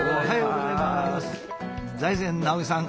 財前直見さん